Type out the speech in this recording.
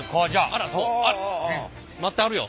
あら待ってはるよ。